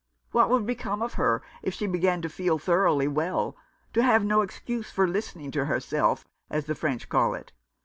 What would become of her if she began to feel thoroughly well — to have no excuse for listening to herself, as the French call it.